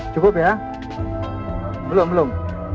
cukup ya belum belum